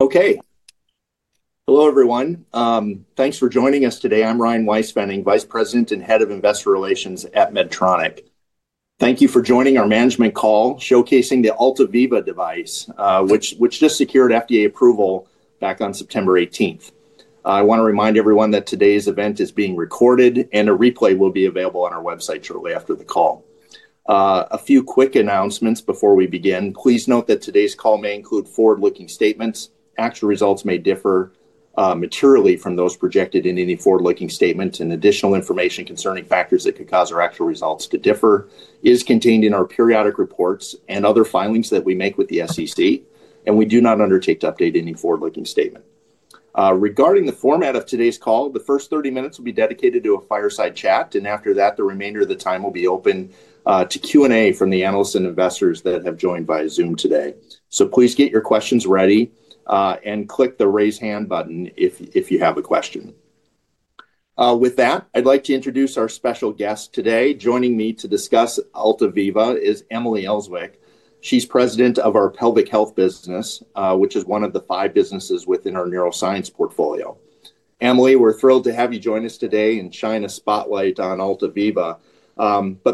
Okay. Hello, everyone. Thanks for joining us today. I'm Ryan Weispfenning, Vice President and Head of Investor Relations at Medtronic. Thank you for joining our management call showcasing the AltaViva device, which just secured FDA approval back on September 18th. I want to remind everyone that today's event is being recorded, and a replay will be available on our website shortly after the call. A few quick announcements before we begin. Please note that today's call may include forward-looking statements. Actual results may differ materially from those projected in any forward-looking statements, and additional information concerning factors that could cause our actual results to differ is contained in our periodic reports and other filings that we make with the SEC. We do not undertake to update any forward-looking statement. Regarding the format of today's call, the first 30 minutes will be dedicated to a fireside chat, and after that, the remainder of the time will be open to Q&A from the analysts and investors that have joined by Zoom today. Please get your questions ready and click the raise hand button if you have a question. With that, I'd like to introduce our special guest today. Joining me to discuss AltaViva is Emily Elswick. She's President of our Pelvic Health business, which is one of the five businesses within our Neuroscience portfolio. Emily, we're thrilled to have you join us today and shine a spotlight on AltaViva.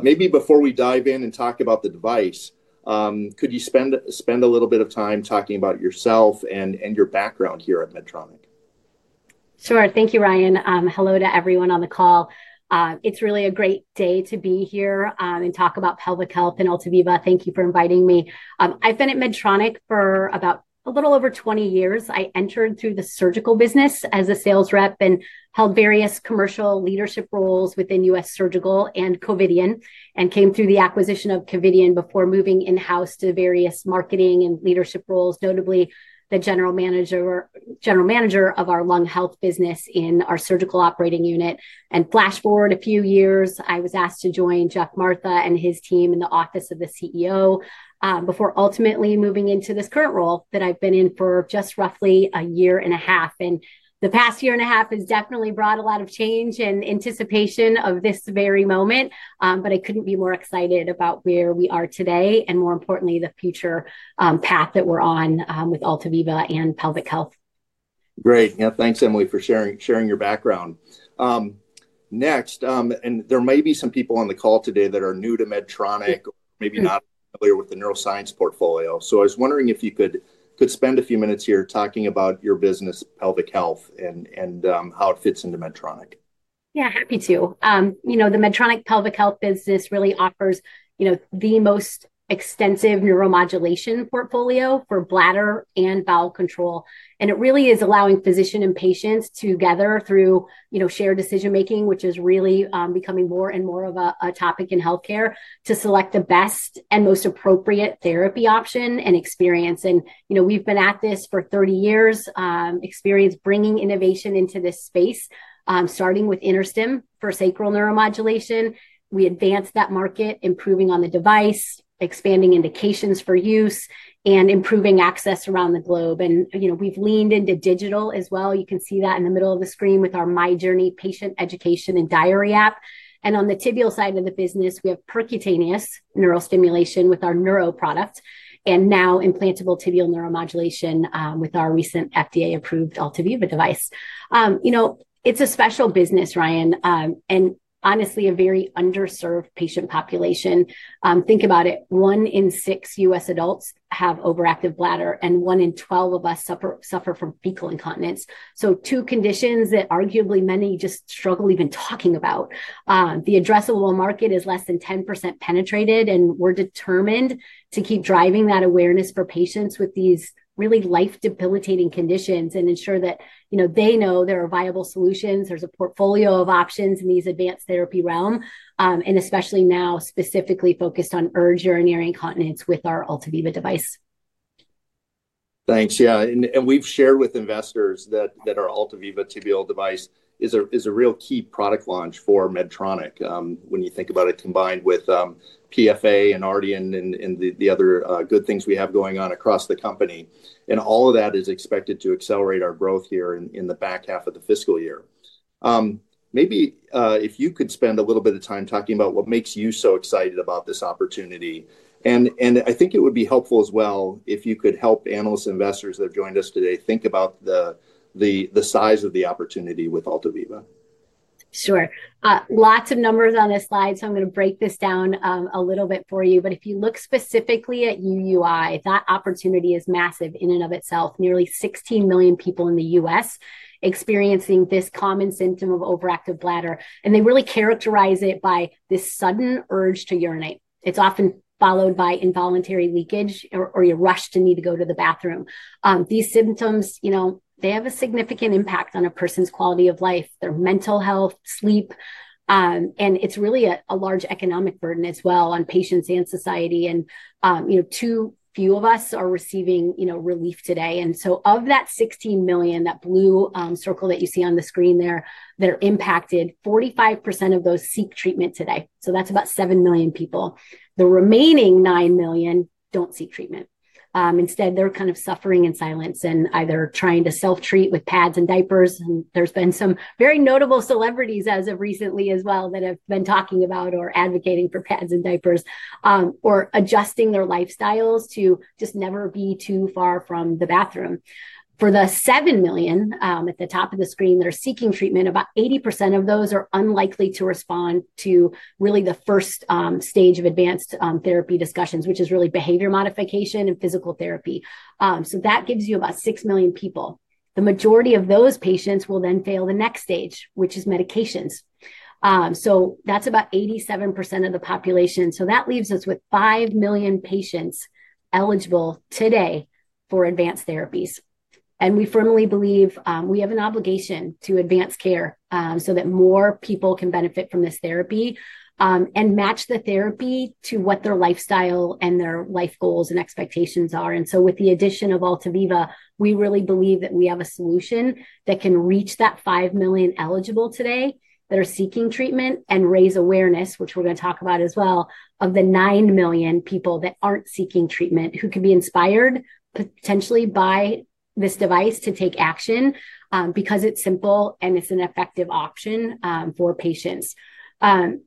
Maybe before we dive in and talk about the device, could you spend a little bit of time talking about yourself and your background here at Medtronic? Sure. Thank you, Ryan. Hello to everyone on the call. It's really a great day to be here and talk about pelvic health and AltaViva. Thank you for inviting me. I've been at Medtronic for a little over 20 years. I entered through the surgical business as a sales rep and held various commercial leadership roles within U.S. Surgical and Covidien and came through the acquisition of Covidien before moving in-house to various marketing and leadership roles, notably the General Manager of our lung health business in our Surgical Operating Unit. Flash forward a few years, I was asked to join Geoff Martha and his team in the Office of the CEO before ultimately moving into this current role that I've been in for just roughly a year and a half. The past year and a half has definitely brought a lot of change and anticipation of this very moment. I couldn't be more excited about where we are today and, more importantly, the future path that we're on with AltaViva and pelvic health. Great. Yeah, thanks, Emily, for sharing your background. Next, there may be some people on the call today that are new to Medtronic or maybe not familiar with the neuroscience portfolio. I was wondering if you could spend a few minutes here talking about your business, pelvic health, and how it fits into Medtronic. Yeah, happy to. You know, the Medtronic Pelvic Health business really offers the most extensive neuromodulation portfolio for bladder and bowel control. It really is allowing physicians and patients together, through shared decision-making, which is really becoming more and more of a topic in health care, to select the best and most appropriate therapy option and experience. We've been at this for 30 years, experience bringing innovation into this space, starting with InterStim for sacral neuromodulation. We advanced that market, improving on the device, expanding indications for use, and improving access around the globe. We've leaned into digital as well. You can see that in the middle of the screen with our MyJourney patient education and diary app. On the tibial side of the business, we have percutaneous neurostimulation with our Neuro product and now implantable tibial neuromodulation with our recent FDA-approved AltaViva device. It's a special business, Ryan, and honestly, a very underserved patient population. Think about it. One in six U.S. adults have overactive bladder, and one in 12 of us suffer from fecal incontinence. Two conditions that arguably many just struggle even talking about. The addressable market is less than 10% penetrated, and we're determined to keep driving that awareness for patients with these really life-debilitating conditions and ensure that they know there are viable solutions. There's a portfolio of options in these advanced therapy realms, especially now specifically focused on urge urinary incontinence with our AltaViva device. Thanks. Yeah, and we've shared with investors that our AltaViva tibial device is a real key product launch for Medtronic when you think about it combined with PFA and RDN and the other good things we have going on across the company. All of that is expected to accelerate our growth here in the back half of the fiscal year. Maybe if you could spend a little bit of time talking about what makes you so excited about this opportunity. I think it would be helpful as well if you could help analysts and investors that have joined us today think about the size of the opportunity with AltaViva. Sure. Lots of numbers on this slide, so I'm going to break this down a little bit for you. If you look specifically at UUI, that opportunity is massive in and of itself. Nearly 16 million people in the U.S. experiencing this common symptom of overactive bladder. They really characterize it by this sudden urge to urinate. It's often followed by involuntary leakage or you rush to need to go to the bathroom. These symptoms have a significant impact on a person's quality of life, their mental health, sleep, and it's really a large economic burden as well on patients and society. Too few of us are receiving relief today. Of that 16 million, that blue circle that you see on the screen there, that are impacted, 45% of those seek treatment today. That's about 7 million people. The remaining 9 million don't seek treatment. Instead, they're kind of suffering in silence and either trying to self-treat with pads and diapers. There have been some very notable celebrities as of recently as well that have been talking about or advocating for pads and diapers or adjusting their lifestyles to just never be too far from the bathroom. For the 7 million at the top of the screen that are seeking treatment, about 80% of those are unlikely to respond to really the first stage of advanced therapy discussions, which is really behavior modification and physical therapy. That gives you about 6 million people. The majority of those patients will then fail the next stage, which is medications. That's about 87% of the population. That leaves us with 5 million patients eligible today for advanced therapies. We firmly believe we have an obligation to advance care so that more people can benefit from this therapy and match the therapy to what their lifestyle and their life goals and expectations are. With the addition of AltaViva, we really believe that we have a solution that can reach that 5 million eligible today that are seeking treatment and raise awareness, which we're going to talk about as well, of the 9 million people that aren't seeking treatment who could be inspired potentially by this device to take action because it's simple and it's an effective option for patients.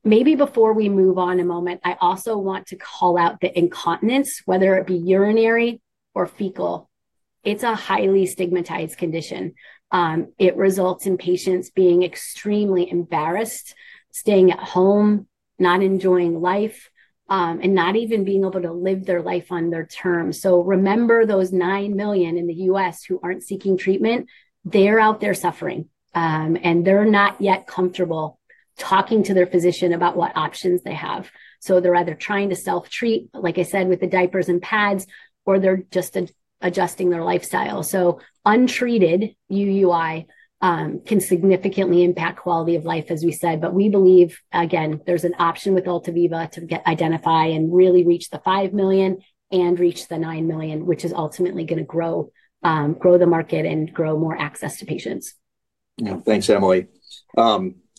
Maybe before we move on a moment, I also want to call out the incontinence, whether it be urinary or fecal. It's a highly stigmatized condition. It results in patients being extremely embarrassed, staying at home, not enjoying life, and not even being able to live their life on their terms. Remember those 9 million in the U.S. who aren't seeking treatment. They're out there suffering, and they're not yet comfortable talking to their physician about what options they have. They're either trying to self-treat, like I said, with the diapers and pads, or they're just adjusting their lifestyle. Untreated UUI can significantly impact quality of life, as we said. We believe, again, there's an option with AltaViva to identify and really reach the 5 million and reach the 9 million, which is ultimately going to grow the market and grow more access to patients. Yeah, thanks, Emily.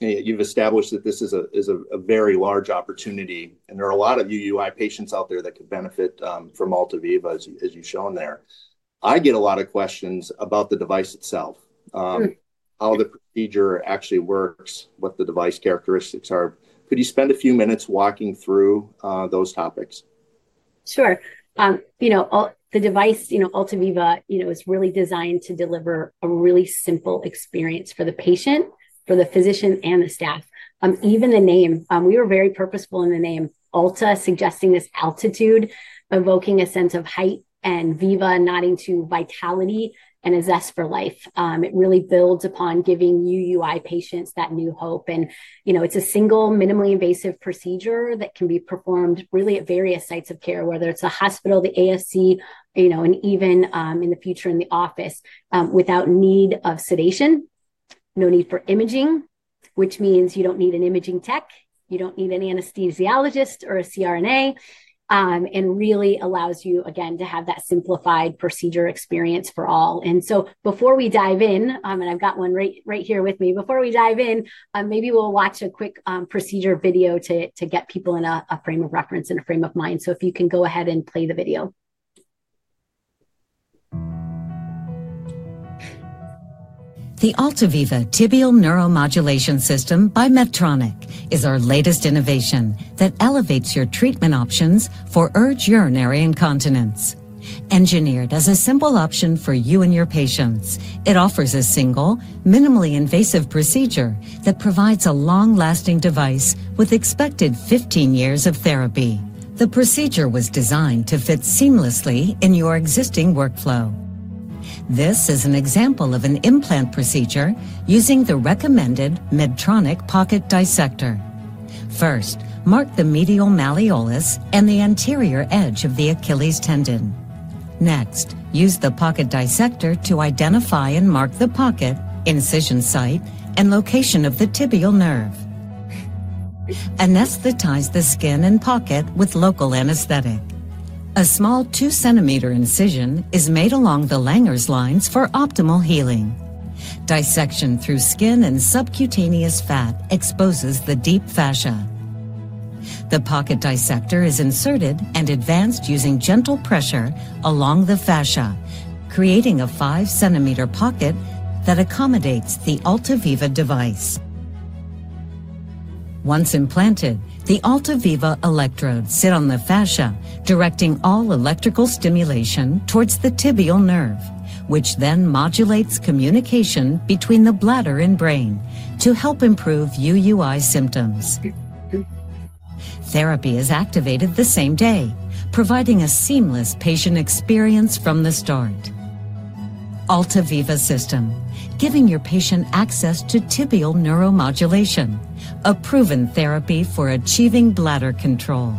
You've established that this is a very large opportunity, and there are a lot of UUI patients out there that could benefit from AltaViva, as you've shown there. I get a lot of questions about the device itself, how the procedure actually works, what the device characteristics are. Could you spend a few minutes walking through those topics? Sure. The device, AltaViva, is really designed to deliver a really simple experience for the patient, for the physician, and the staff. Even the name, we were very purposeful in the name, Alta, suggesting this altitude, evoking a sense of height, and Viva, nodding to vitality and a zest for life. It really builds upon giving UUI patients that new hope. It's a single, minimally invasive procedure that can be performed at various sites of care, whether it's a hospital, the ASC, and even in the future in the office without need of sedation, no need for imaging, which means you don't need an imaging tech, you don't need an anesthesiologist or a CRNA. It really allows you to have that simplified procedure experience for all. Before we dive in, and I've got one right here with me, maybe we'll watch a quick procedure video to get people in a frame of reference and a frame of mind. If you can go ahead and play the video. The AltaViva tibial neuromodulation system by Medtronic is our latest innovation that elevates your treatment options for urge urinary incontinence. Engineered as a simple option for you and your patients, it offers a single, minimally invasive procedure that provides a long-lasting device with expected 15 years of therapy. The procedure was designed to fit seamlessly in your existing workflow. This is an example of an implant procedure using the recommended Medtronic pocket dissector. First, mark the medial malleolus and the anterior edge of the Achilles tendon. Next, use the pocket dissector to identify and mark the pocket, incision site, and location of the tibial nerve. Anesthetize the skin and pocket with local anesthetic. A small 2 cm incision is made along the Langer's lines for optimal healing. Dissection through skin and subcutaneous fat exposes the deep fascia. The pocket dissector is inserted and advanced using gentle pressure along the fascia, creating a 5 cm pocket that accommodates the AltaViva device. Once implanted, the AltaViva electrodes sit on the fascia, directing all electrical stimulation towards the tibial nerve, which then modulates communication between the bladder and brain to help improve UUI symptoms. Therapy is activated the same day, providing a seamless patient experience from the start. AltaViva system, giving your patient access to tibial neuromodulation, a proven therapy for achieving bladder control.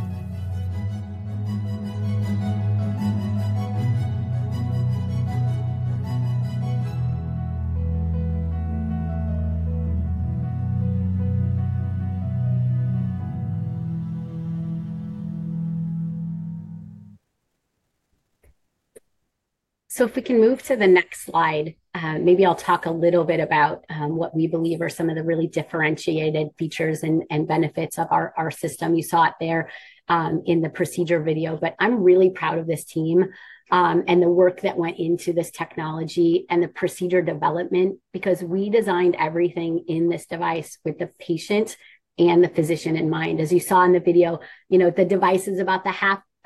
If we can move to the next slide, maybe I'll talk a little bit about what we believe are some of the really differentiated features and benefits of our system. You saw it there in the procedure video. I'm really proud of this team and the work that went into this technology and the procedure development because we designed everything in this device with the patient and the physician in mind. As you saw in the video, the device is about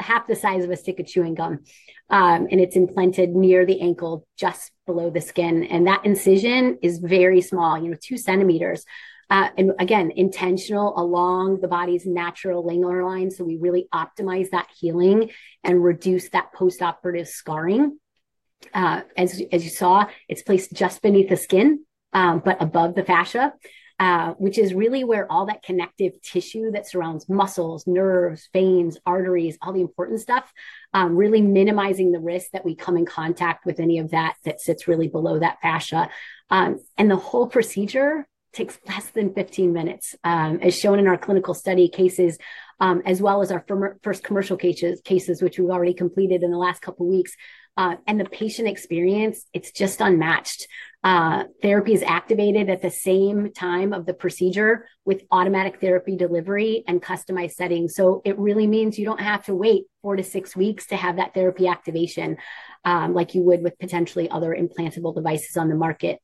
half the size of a stick of chewing gum, and it's implanted near the ankle, just below the skin. That incision is very small, 2 cm, and intentional along the body's natural lingular line, so we really optimize that healing and reduce that postoperative scarring. As you saw, it's placed just beneath the skin, but above the fascia, which is really where all that connective tissue that surrounds muscles, nerves, veins, arteries, all the important stuff, really minimizing the risk that we come in contact with any of that that sits really below that fascia. The whole procedure takes less than 15 minutes, as shown in our clinical study cases, as well as our first commercial cases, which we've already completed in the last couple of weeks. The patient experience is just unmatched. Therapy is activated at the same time of the procedure with automatic therapy delivery and customized settings. It really means you don't have to wait four to six weeks to have that therapy activation like you would with potentially other implantable devices on the market.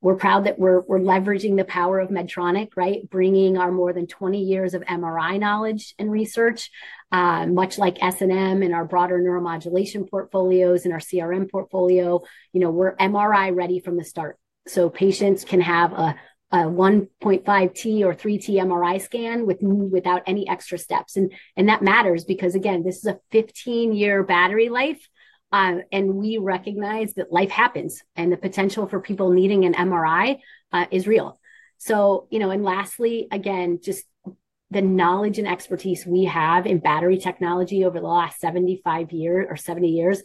We're proud that we're leveraging the power of Medtronic, bringing our more than 20 years of MRI knowledge and research, much like SNM and our broader neuromodulation portfolios and our CRM portfolio. We're MRI ready from the start, so patients can have a 1.5T or 3T MRI scan without any extra steps. That matters because this is a 15-year battery life, and we recognize that life happens, and the potential for people needing an MRI is real. Lastly, the knowledge and expertise we have in battery technology over the last 70 years,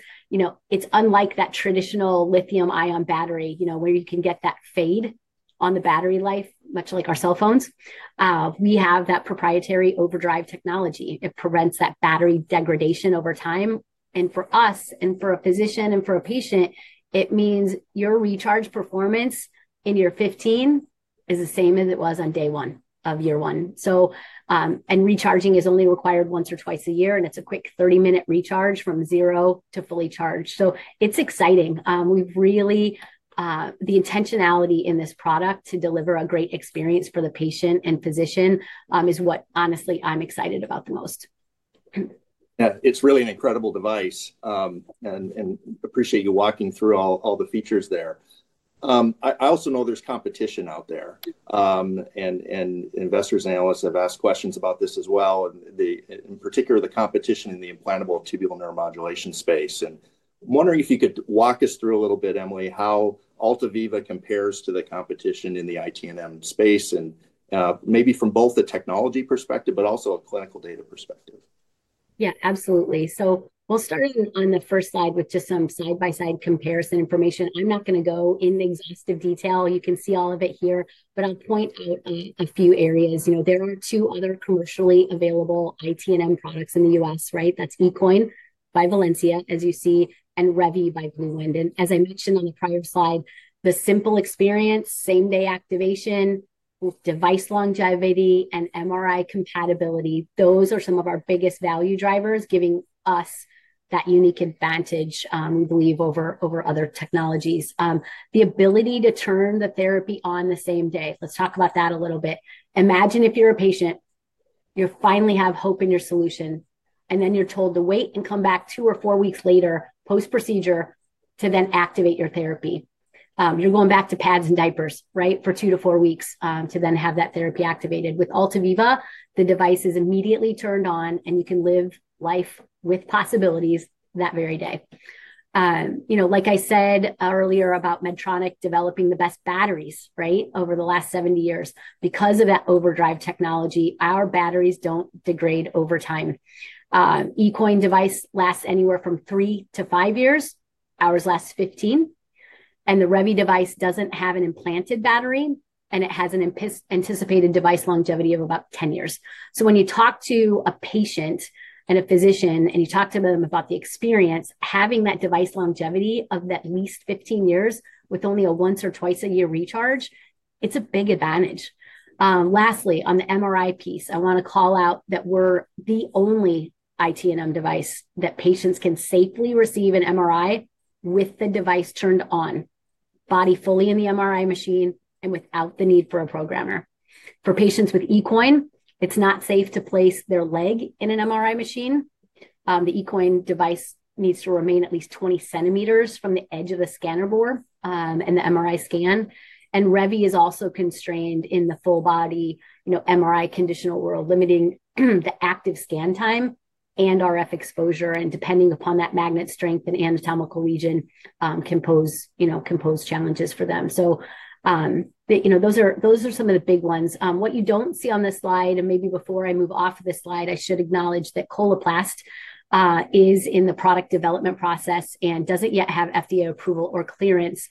it's unlike that traditional lithium-ion battery, where you can get that fade on the battery life, much like our cell phones. We have that proprietary overdrive technology. It prevents that battery degradation over time. For us, for a physician, and for a patient, it means your recharge performance in year 15 is the same as it was on day one of year one. Recharging is only required once or twice a year, and it's a quick 30-minute recharge from zero to fully charged. It's exciting. The intentionality in this product to deliver a great experience for the patient and physician is what honestly I'm excited about the most. Yeah, it's really an incredible device. I appreciate you walking through all the features there. I also know there's competition out there, and investors and analysts have asked questions about this as well, in particular, the competition in the implantable tibial neuromodulation space. I'm wondering if you could walk us through a little bit, Emily, how AltaViva compares to the competition in the implantable tibial neuromodulation space, maybe from both the technology perspective and also a clinical data perspective. Yeah, absolutely. We'll start on the first slide with just some side-by-side comparison information. I'm not going to go into exhaustive detail. You can see all of it here. I'll point out a few areas. There are two other commercially available ITNM products in the U.S., right? That's eCoin by Valencia, as you see, and Revi by BlueWind. As I mentioned on the prior slide, the simple experience, same-day activation, device longevity, and MRI compatibility are some of our biggest value drivers, giving us that unique advantage, we believe, over other technologies. The ability to turn the therapy on the same day, let's talk about that a little bit. Imagine if you're a patient, you finally have hope in your solution, and then you're told to wait and come back two or four weeks later post-procedure to then activate your therapy. You're going back to pads and diapers for two to four weeks to then have that therapy activated. With AltaViva™, the device is immediately turned on, and you can live life with possibilities that very day. Like I said earlier about Medtronic developing the best batteries over the last 70 years, because of that overdrive technology, our batteries don't degrade over time. The eCoin device lasts anywhere from three to five years. Ours lasts 15. The Revi device doesn't have an implanted battery, and it has an anticipated device longevity of about 10 years. When you talk to a patient and a physician, and you talk to them about the experience, having that device longevity of at least 15 years with only a once or twice a year recharge is a big advantage. Lastly, on the MRI piece, I want to call out that we're the only ITNM device that patients can safely receive an MRI with the device turned on, body fully in the MRI machine and without the need for a programmer. For patients with eCoin, it's not safe to place their leg in an MRI machine. The eCoin device needs to remain at least 20 cm from the edge of the scanner board and the MRI scan. Revi is also constrained in the full body MRI conditional world, limiting the active scan time and RF exposure. Depending upon that magnet strength and anatomical lesion, it can pose challenges for them. Those are some of the big ones. What you don't see on this slide, and maybe before I move off of this slide, I should acknowledge that Coloplast is in the product development process and doesn't yet have FDA approval or clearance.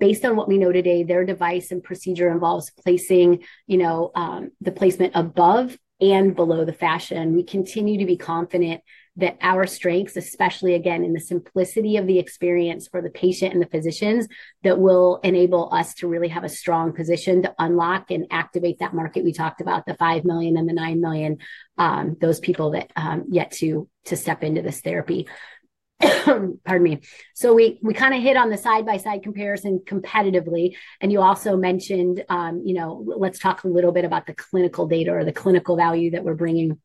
Based on what we know today, their device and procedure involves placing, you know, the placement above and below the fascia. We continue to be confident that our strengths, especially, again, in the simplicity of the experience for the patient and the physicians, will enable us to really have a strong position to unlock and activate that market we talked about, the 5 million and the 9 million, those people that have yet to step into this therapy. Pardon me. We kind of hit on the side-by-side comparison competitively. You also mentioned, you know, let's talk a little bit about the clinical data or the clinical value that we're bringing.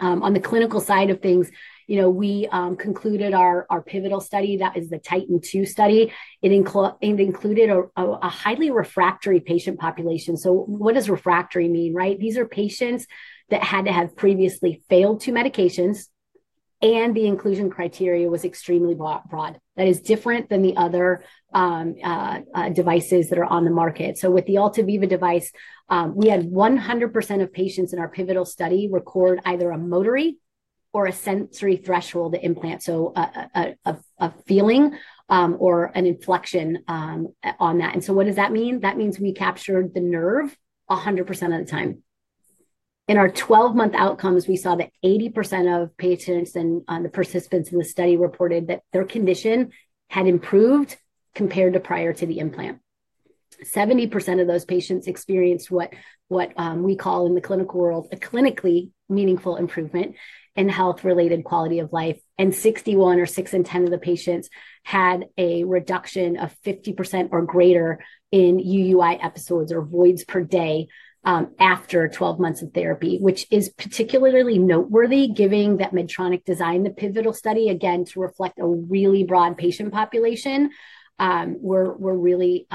On the clinical side of things, we concluded our pivotal study that is the TITAN 2 study. It included a highly refractory patient population. What does refractory mean, right? These are patients that had to have previously failed two medications, and the inclusion criteria was extremely broad. That is different than the other devices that are on the market. With the AltaViva device, we had 100% of patients in our pivotal study record either a motory or a sensory threshold implant, so a feeling or an inflection on that. What does that mean? That means we captured the nerve 100% of the time. In our 12-month outcomes, we saw that 80% of patients and the participants in the study reported that their condition had improved compared to prior to the implant. 70% of those patients experienced what we call in the clinical world a clinically meaningful improvement in health-related quality of life. 61 or 6 in 10 of the patients had a reduction of 50% or greater in UUI episodes or voids per day after 12 months of therapy, which is particularly noteworthy given that Medtronic designed the pivotal study, again, to reflect a really broad patient population. We're really,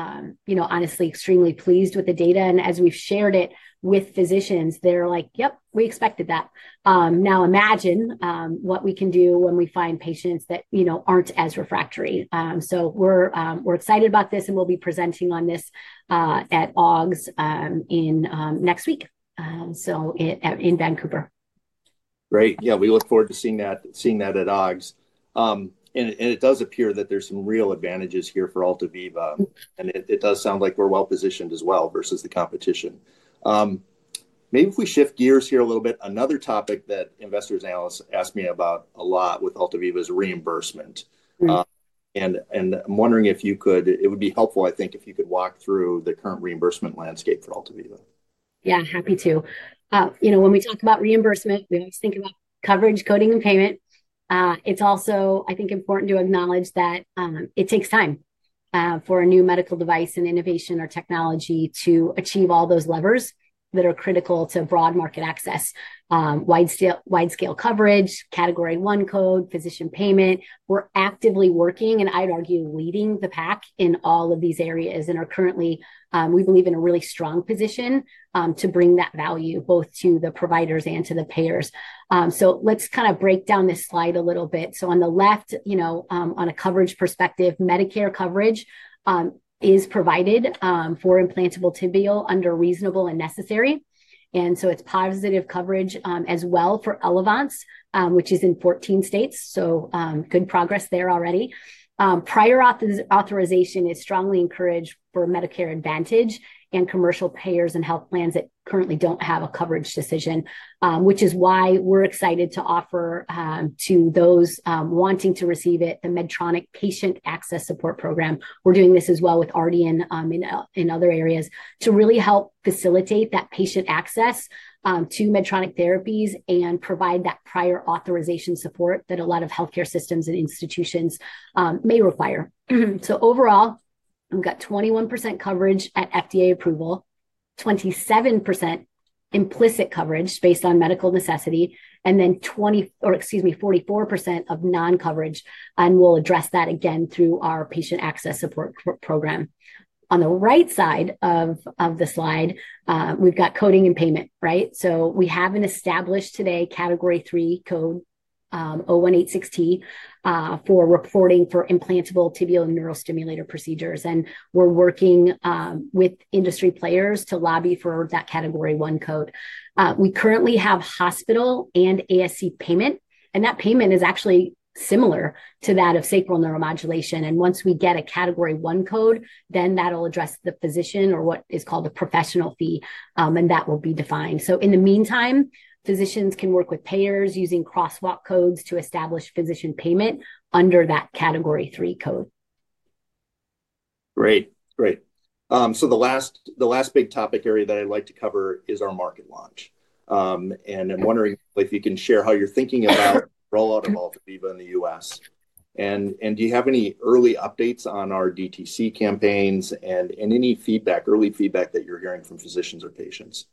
you know, honestly extremely pleased with the data. As we've shared it with physicians, they're like, yep, we expected that. Now imagine what we can do when we find patients that, you know, aren't as refractory. We're excited about this, and we'll be presenting on this at Augs next week, in Vancouver. Great. Yeah, we look forward to seeing that at AUGS. It does appear that there's some real advantages here for AltaViva. It does sound like we're well positioned as well versus the competition. Maybe if we shift gears here a little bit, another topic that investors and analysts ask me about a lot with AltaViva is reimbursement. I'm wondering if you could, it would be helpful, I think, if you could walk through the current reimbursement landscape for AltaViva. Yeah, happy to. You know, when we talk about reimbursement, we always think about coverage, coding, and payment. It's also, I think, important to acknowledge that it takes time for a new medical device and innovation or technology to achieve all those levers that are critical to broad market access, wide scale coverage, Category I code, physician payment. We're actively working, and I'd argue leading the pack in all of these areas and are currently, we believe, in a really strong position to bring that value both to the providers and to the payers. Let's kind of break down this slide a little bit. On the left, on a coverage perspective, Medicare coverage is provided for implantable tibial under reasonable and necessary. It's positive coverage as well for Elevance, which is in 14 states. Good progress there already. Prior authorization is strongly encouraged for Medicare Advantage and commercial payers and health plans that currently don't have a coverage decision, which is why we're excited to offer to those wanting to receive it, the Medtronic Patient Access Support Program. We're doing this as well with RDN in other areas to really help facilitate that patient access to Medtronic therapies and provide that prior authorization support that a lot of health care systems and institutions may require. Overall, we've got 21% coverage at FDA approval, 27% implicit coverage based on medical necessity, and then 44% of non-coverage. We'll address that again through our Patient Access Support Program. On the right side of the slide, we've got coding and payment, right? We have an established today Category III code 0186T for reporting for implantable tibial and neurostimulator procedures. We're working with industry players to lobby for that Category I code. We currently have hospital and ASC payment. That payment is actually similar to that of sacral neuromodulation. Once we get a Category I code, that'll address the physician or what is called a professional fee, and that will be defined. In the meantime, physicians can work with payers using crosswalk codes to establish physician payment under that Category III code. Great. The last big topic area that I'd like to cover is our market launch. I'm wondering if you can share how you're thinking about rollout of AltaViva in the U.S. Do you have any early updates on our DTC campaigns and any early feedback that you're hearing from physicians or patients?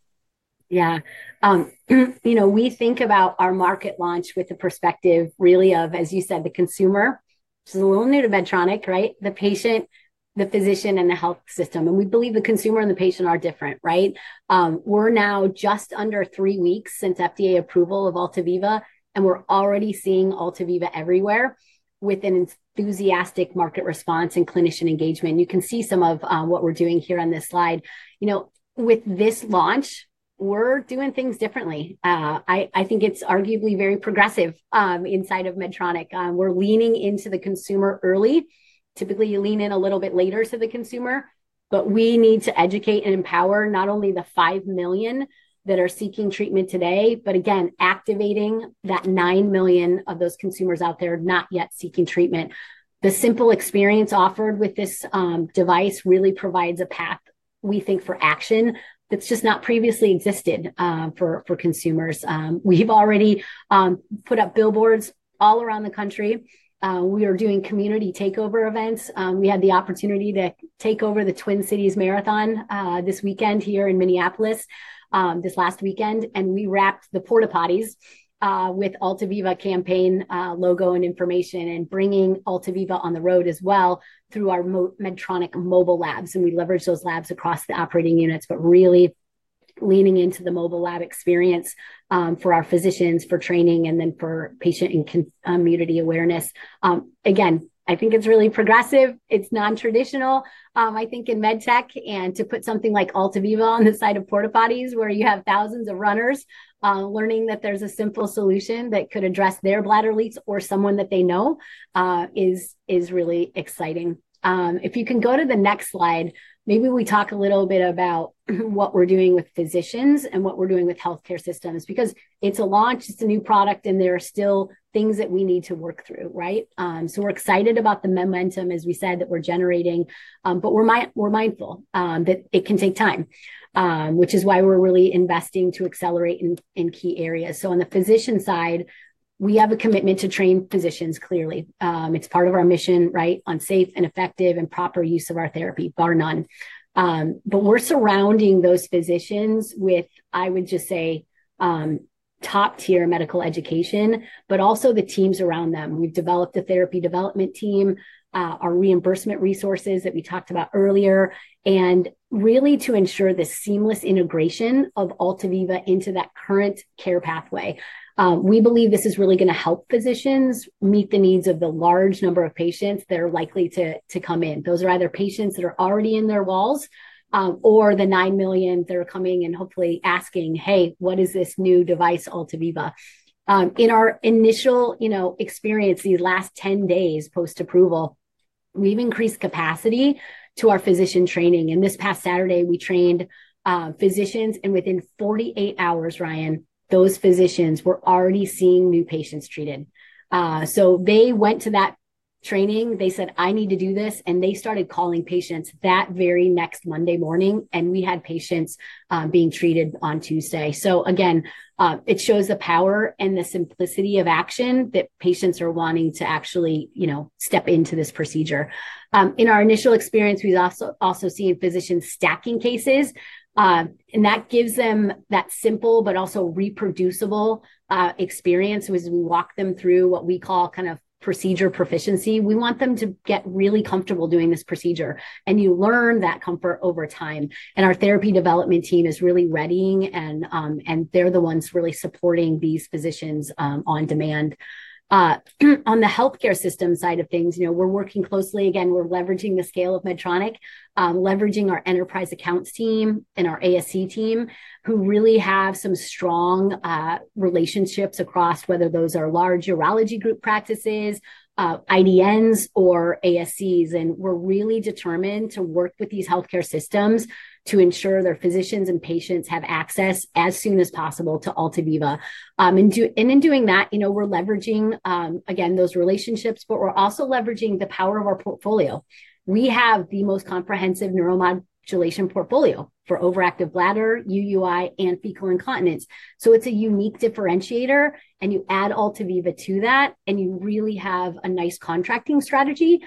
Yeah. We think about our market launch with the perspective really of, as you said, the consumer, which is a little new to Medtronic, right? The patient, the physician, and the health system. We believe the consumer and the patient are different, right? We're now just under three weeks since FDA approval of AltaViva, and we're already seeing AltaViva everywhere with an enthusiastic market response and clinician engagement. You can see some of what we're doing here on this slide. With this launch, we're doing things differently. I think it's arguably very progressive inside of Medtronic. We're leaning into the consumer early. Typically, you lean in a little bit later to the consumer. We need to educate and empower not only the 5 million that are seeking treatment today, but again, activating that 9 million of those consumers out there not yet seeking treatment. The simple experience offered with this device really provides a path, we think, for action that's just not previously existed for consumers. We've already put up billboards all around the country. We are doing community takeover events. We had the opportunity to take over the Twin Cities Marathon this weekend here in Minneapolis this last weekend. We wrapped the porta potties with AltaViva campaign logo and information and bringing AltaViva on the road as well through our Medtronic mobile labs. We leverage those labs across the operating units, but really leaning into the mobile lab experience for our physicians for training and then for patient and community awareness. I think it's really progressive. It's non-traditional, I think, in med tech. To put something like AltaViva on the side of porta potties where you have thousands of runners learning that there's a simple solution that could address their bladder leaks or someone that they know is really exciting. If you can go to the next slide, maybe we talk a little bit about what we're doing with physicians and what we're doing with health care systems because it's a launch, it's a new product, and there are still things that we need to work through, right? We're excited about the momentum, as we said, that we're generating. We're mindful that it can take time, which is why we're really investing to accelerate in key areas. On the physician side, we have a commitment to train physicians clearly. It's part of our mission, right, on safe and effective and proper use of our therapy, bar none. We're surrounding those physicians with, I would just say, top-tier medical education, but also the teams around them. We've developed a therapy development team, our reimbursement resources that we talked about earlier, and really to ensure the seamless integration of AltaViva into that current care pathway. We believe this is really going to help physicians meet the needs of the large number of patients that are likely to come in. Those are either patients that are already in their walls or the 9 million that are coming and hopefully asking, hey, what is this new device, AltaViva? In our initial experience these last 10 days post-approval, we've increased capacity to our physician training. This past Saturday, we trained physicians, and within 48 hours, Ryan, those physicians were already seeing new patients treated. They went to that training. They said, I need to do this. They started calling patients that very next Monday morning, and we had patients being treated on Tuesday. It shows the power and the simplicity of action that patients are wanting to actually step into this procedure. In our initial experience, we've also seen physicians stacking cases. That gives them that simple but also reproducible experience. As we walk them through what we call kind of procedure proficiency, we want them to get really comfortable doing this procedure. You learn that comfort over time. Our therapy development team is really ready, and they're the ones really supporting these physicians on demand. On the health care system side of things, we're working closely. We're leveraging the scale of Medtronic, leveraging our enterprise accounts team and our ASC team, who really have some strong relationships across whether those are large urology group practices, IDNs, or ASCs. We're really determined to work with these health care systems to ensure their physicians and patients have access as soon as possible to AltaViva. In doing that, we're leveraging, again, those relationships, but we're also leveraging the power of our portfolio. We have the most comprehensive neuromodulation portfolio for overactive bladder, UUI, and fecal incontinence. It's a unique differentiator. You add AltaViva to that, and you really have a nice contracting strategy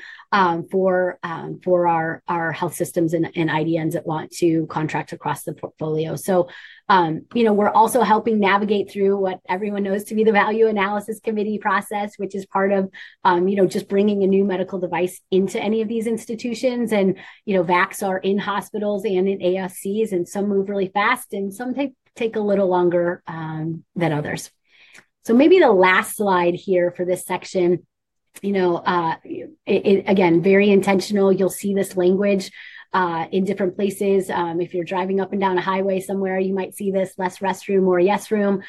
for our health systems and IDNs that want to contract across the portfolio. We're also helping navigate through what everyone knows to be the value analysis committee process, which is part of just bringing a new medical device into any of these institutions. VACs are in hospitals and in ASCs, and some move really fast, and some take a little longer than others. Maybe the last slide here for this section, again, very intentional. You'll see this language in different places. If you're driving up and down a highway somewhere, you might see this "less restroom, more yes room."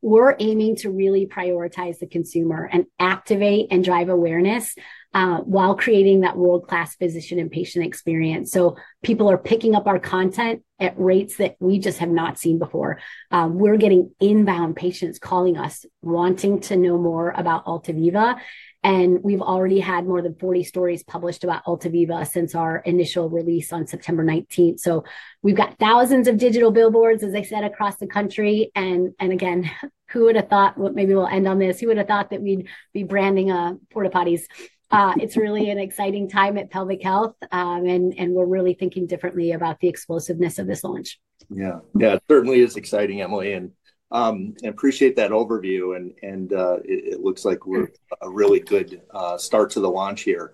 We're aiming to really prioritize the consumer and activate and drive awareness while creating that world-class physician and patient experience. People are picking up our content at rates that we just have not seen before. We're getting inbound patients calling us wanting to know more about AltaViva. We've already had more than 40 stories published about AltaViva since our initial release on September 19th. We've got thousands of digital billboards, as I said, across the country. Who would have thought, maybe we'll end on this, who would have thought that we'd be branding porta potties? It's really an exciting time at Pelvic Health, and we're really thinking differently about the explosiveness of this launch. Yeah, it certainly is exciting, Emily. I appreciate that overview. It looks like we're a really good start to the launch here.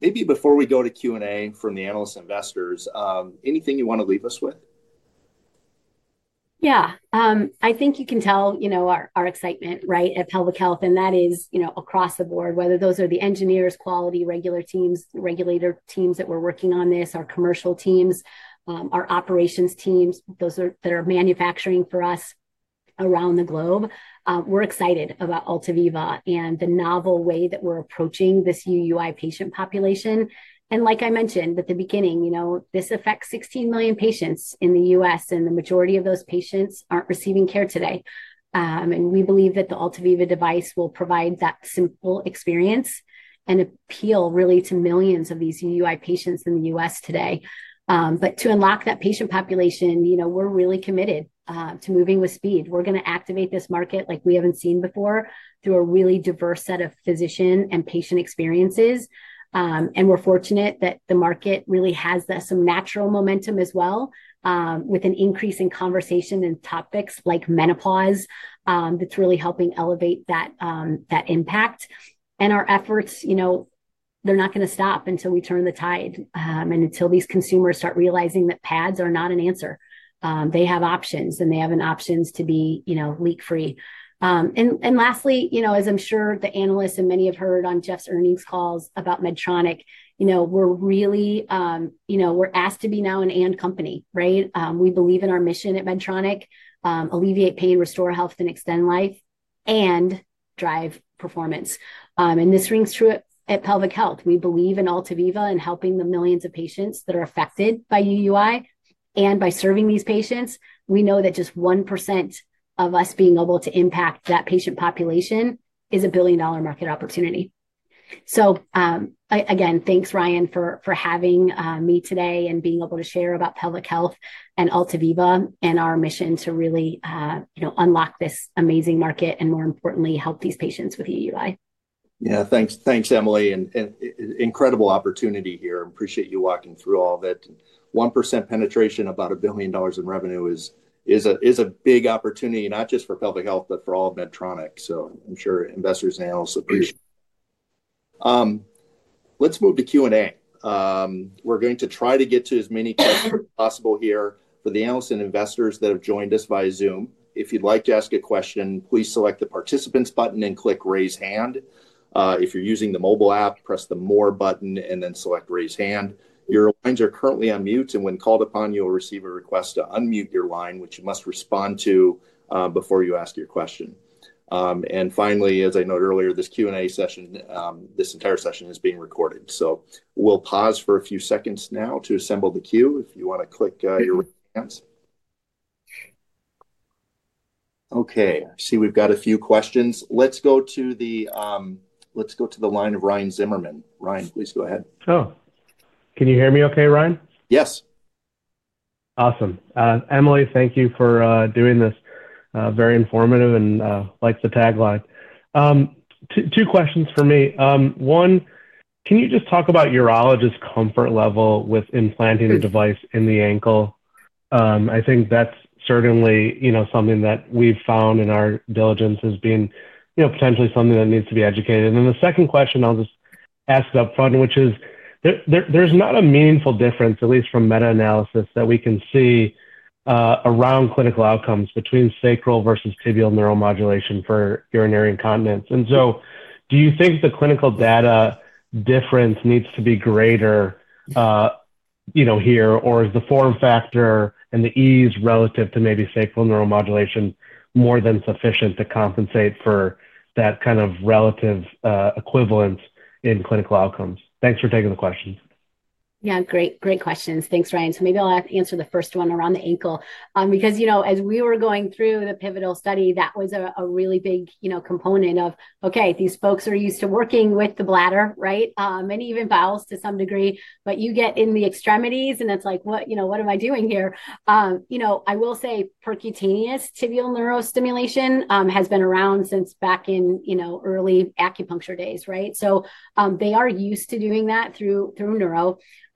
Maybe before we go to Q&A from the analysts and investors, anything you want to leave us with? Yeah, I think you can tell our excitement, right, at Pelvic Health. That is across the board, whether those are the engineers, quality, regulatory teams that we're working on this, our commercial teams, our operations teams, those that are manufacturing for us around the globe. We're excited about AltaViva and the novel way that we're approaching this UUI patient population. Like I mentioned at the beginning, this affects 16 million patients in the U.S., and the majority of those patients aren't receiving care today. We believe that the AltaViva device will provide that simple experience and appeal really to millions of these UUI patients in the U.S. today. To unlock that patient population, we're really committed to moving with speed. We're going to activate this market like we haven't seen before through a really diverse set of physician and patient experiences. We're fortunate that the market really has some natural momentum as well, with an increase in conversation and topics like menopause that's really helping elevate that impact. Our efforts, they're not going to stop until we turn the tide and until these consumers start realizing that pads are not an answer. They have options, and they have options to be leak-free. Lastly, as I'm sure the analysts and many have heard on Geoff's earnings calls about Medtronic, we're really, we're asked to be now an "and" company, right? We believe in our mission at Medtronic, alleviate pain, restore health, and extend life, and drive performance. This rings true at Pelvic Health. We believe in AltaViva and helping the millions of patients that are affected by UUI and by serving these patients. We know that just 1% of us being able to impact that patient population is a billion-dollar market opportunity. Again, thanks, Ryan, for having me today and being able to share about Pelvic Health and AltaViva and our mission to really unlock this amazing market and more importantly, help these patients with UUI. Yeah, thanks, thanks, Emily. An incredible opportunity here. I appreciate you walking through all of it. At 1% penetration, about $1 billion in revenue is a big opportunity, not just for pelvic health, but for all of Medtronic. I'm sure investors and analysts appreciate it. Let's move to Q&A. We're going to try to get to as many as possible here. For the analysts and investors that have joined us via Zoom, if you'd like to ask a question, please select the participants button and click raise hand. If you're using the mobile app, press the more button and then select raise hand. Your lines are currently on mute, and when called upon, you'll receive a request to unmute your line, which you must respond to before you ask your question. Finally, as I noted earlier, this Q&A session, this entire session is being recorded. We'll pause for a few seconds now to assemble the queue if you want to click your response. OK, I see we've got a few questions. Let's go to the line of Ryan Zimmerman. Ryan, please go ahead. Oh, can you hear me OK, Ryan? Yes. Awesome. Emily, thank you for doing this. Very informative and like the tagline. Two questions for me. One, can you just talk about urologists' comfort level with implanting a device in the ankle? I think that's certainly something that we've found in our diligence as being potentially something that needs to be educated. The second question, I'll just ask it up front, which is, there's not a meaningful difference, at least from meta-analysis, that we can see around clinical outcomes between sacral versus tibial neuromodulation for urinary incontinence. Do you think the clinical data difference needs to be greater here, or is the form factor and the ease relative to maybe sacral neuromodulation more than sufficient to compensate for that kind of relative equivalence in clinical outcomes? Thanks for taking the questions. Yeah, great, great questions. Thanks, Ryan. Maybe I'll answer the first one around the ankle because, as we were going through the pivotal study, that was a really big component of, OK, these folks are used to working with the bladder, right, and even bowels to some degree. You get in the extremities, and it's like, what, you know, what am I doing here? I will say percutaneous tibial neurostimulation has been around since back in early acupuncture days, right? They are used to doing that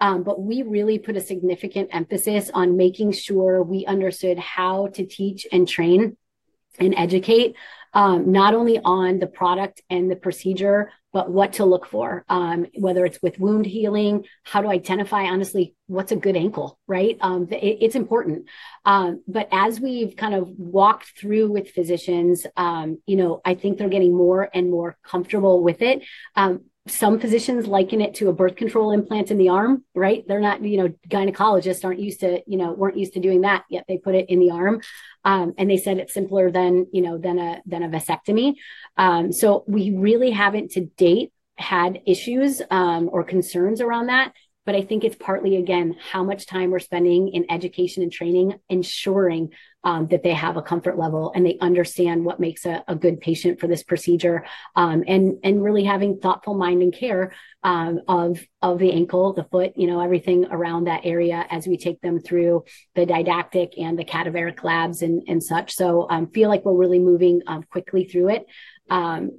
through neuro. We really put a significant emphasis on making sure we understood how to teach and train and educate, not only on the product and the procedure, but what to look for, whether it's with wound healing, how to identify, honestly, what's a good ankle, right? It's important. As we've kind of walked through with physicians, I think they're getting more and more comfortable with it. Some physicians liken it to a birth control implant in the arm, right? Gynecologists weren't used to doing that. Yet they put it in the arm, and they said it's simpler than a vasectomy. We really haven't, to date, had issues or concerns around that. I think it's partly, again, how much time we're spending in education and training, ensuring that they have a comfort level and they understand what makes a good patient for this procedure, and really having thoughtful mind and care of the ankle, the foot, everything around that area as we take them through the didactic and the cadaveric labs and such. I feel like we're really moving quickly through it.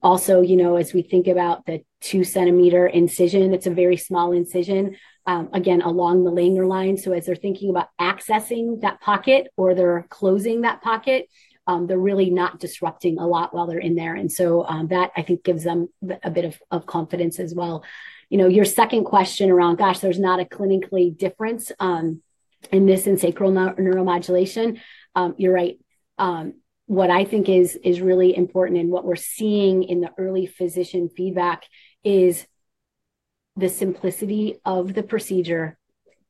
Also, as we think about the 2 cm incision, it's a very small incision, again, along the Langer line. As they're thinking about accessing that pocket or they're closing that pocket, they're really not disrupting a lot while they're in there. That, I think, gives them a bit of confidence as well. Your second question around, gosh, there's not a clinically difference in this and sacral neuromodulation, you're right. What I think is really important and what we're seeing in the early physician feedback is the simplicity of the procedure,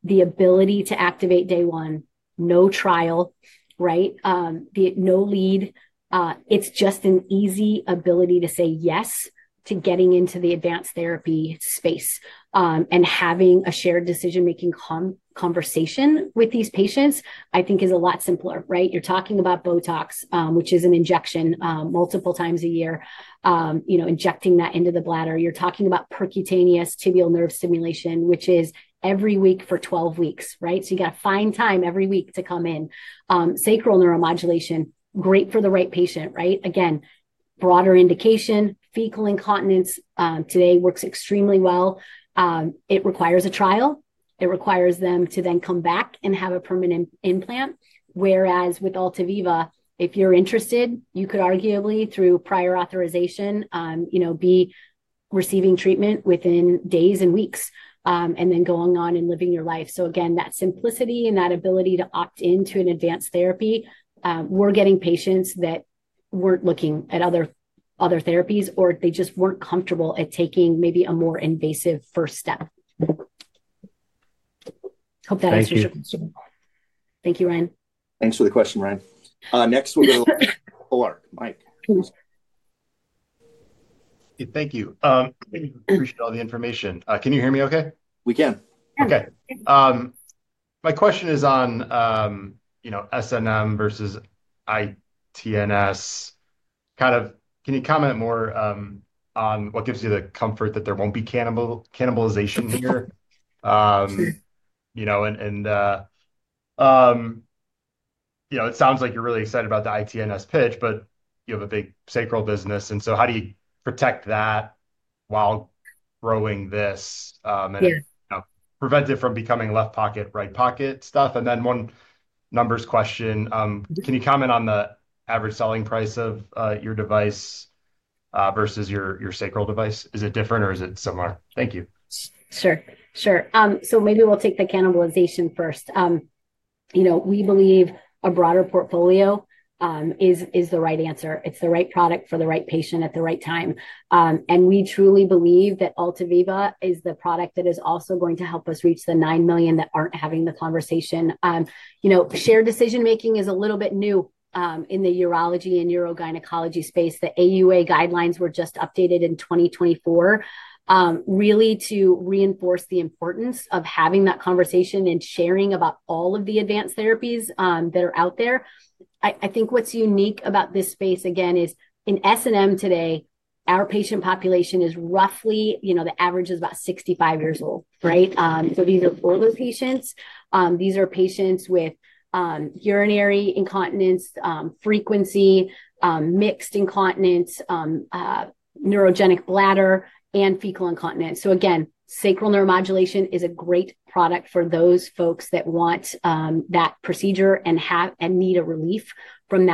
the ability to activate day one, no trial, right? No lead. It's just an easy ability to say yes to getting into the advanced therapy space. Having a shared decision-making conversation with these patients, I think, is a lot simpler, right? You're talking about Botox, which is an injection multiple times a year, injecting that into the bladder. You're talking about percutaneous tibial nerve stimulation, which is every week for 12 weeks, right? You have to find time every week to come in. Sacral neuromodulation, great for the right patient, right? Again, broader indication, fecal incontinence today works extremely well. It requires a trial. It requires them to then come back and have a permanent implant. Whereas with AltaViva, if you're interested, you could arguably, through prior authorization, be receiving treatment within days and weeks and then going on and living your life. That simplicity and that ability to opt into an advanced therapy, we're getting patients that weren't looking at other therapies or they just weren't comfortable at taking maybe a more invasive first step. Hope that answers your question. Thank you, Ryan. Thanks for the question, Ryan. Next, we'll go to Omar, Mike. Thank you. Appreciate all the information. Can you hear me OK? We can. OK. My question is on, you know, SNM versus ITNS. Can you comment more on what gives you the comfort that there won't be cannibalization here? You know, it sounds like you're really excited about the ITNS pitch, but you have a big sacral business. How do you protect that while growing this and prevent it from becoming left pocket, right pocket stuff? One numbers question. Can you comment on the average selling price of your device versus your sacral device? Is it different or is it similar? Thank you. Sure. Maybe we'll take the cannibalization first. We believe a broader portfolio is the right answer. It's the right product for the right patient at the right time. We truly believe that AltaViva is the product that is also going to help us reach the 9 million that aren't having the conversation. Shared decision-making is a little bit new in the urology and urogynecology space. The AUA guidelines were just updated in 2024 to really reinforce the importance of having that conversation and sharing about all of the advanced therapies that are out there. I think what's unique about this space, again, is in SNM today, our patient population is roughly, the average is about 65 years old, right? These are for those patients. These are patients with urinary incontinence, frequency, mixed incontinence, neurogenic bladder, and fecal incontinence. Sacral neuromodulation is a great product for those folks that want that procedure and need relief from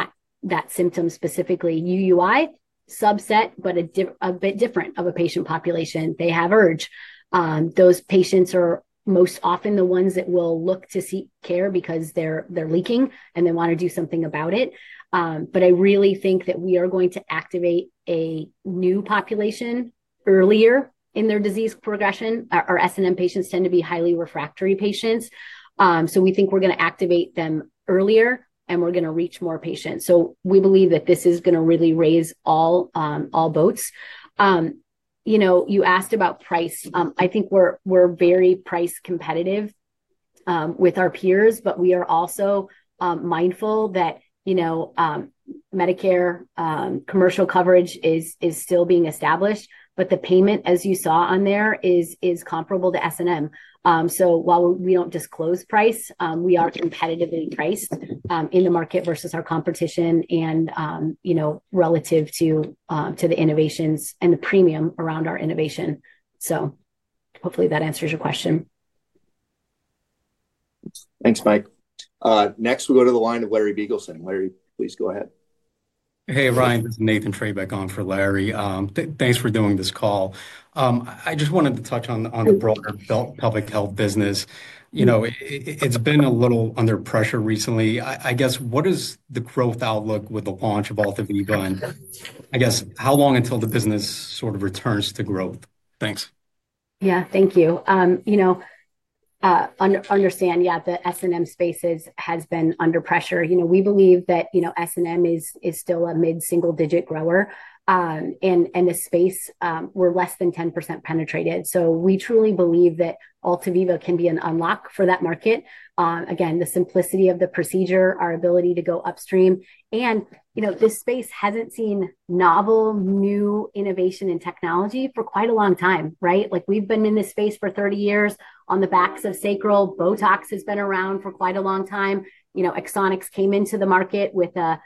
that symptom specifically. UUI subset, but a bit different of a patient population. They have urge. Those patients are most often the ones that will look to seek care because they're leaking and they want to do something about it. I really think that we are going to activate a new population earlier in their disease progression. Our SNM patients tend to be highly refractory patients. We think we're going to activate them earlier, and we're going to reach more patients. We believe that this is going to really raise all boats. You asked about price. I think we're very price competitive with our peers, but we are also mindful that Medicare commercial coverage is still being established. The payment, as you saw on there, is comparable to SNM. While we don't disclose price, we are competitively priced in the market versus our competition and relative to the innovations and the premium around our innovation. Hopefully that answers your question. Thanks, Mike. Next, we'll go to the line of Larry Beagleson. Larry, please go ahead. Hey, Ryan. Nathan Treybeck on for Larry. Thanks for doing this call. I just wanted to touch on the broader Pelvic Health business. It's been a little under pressure recently. What is the growth outlook with the launch of AltaViva™? How long until the business sort of returns to growth? Thanks. Thank you. The SNM space has been under pressure. We believe that SNM is still a mid-single-digit grower. In this space, we're less than 10% penetrated. We truly believe that AltaViva can be an unlock for that market. The simplicity of the procedure, our ability to go upstream. This space hasn't seen novel, new innovation in technology for quite a long time, right? We've been in this space for 30 years on the backs of sacral. Botox has been around for quite a long time. Axonics came into the market with a